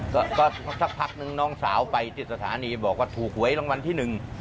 ก็ก็สักพักนึงน้องสาวไปที่สถานีบอกว่าถูกหวยรางวัลที่หนึ่ง